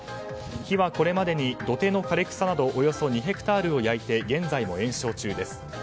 火はこれまでに土手の枯れ草などおよそ２ヘクタールを焼いて現在も延焼中です。